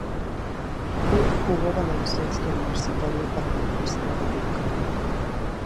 Hood jugó baloncesto universitario para la Universidad de Duke.